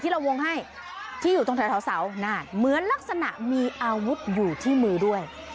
เราวงให้ที่อยู่ตรงแถวเสานานเหมือนลักษณะมีอาวุธอยู่ที่มือด้วย